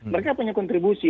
mereka punya kontribusi